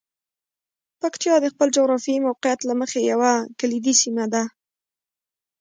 پکتیا د خپل جغرافیايي موقعیت له مخې یوه کلیدي سیمه ده.